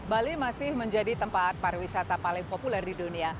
bali masih menjadi tempat pariwisata paling populer di dunia